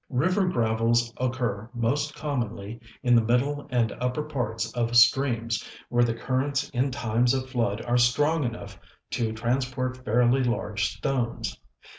River gravels occur most commonly in the middle and upper parts of streams where the currents in times of flood are strong enough to transport fairly large stones.